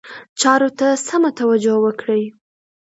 چارو ته سمه توجه وکړي.